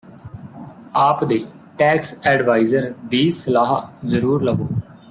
ਆਪਦੇ tax adviser ਦੀ ਸਲਾਹ ਜ਼ਰੂਰ ਲਵੋ